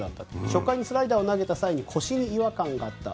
初回のスライダーを投げた際に腰に違和感があった。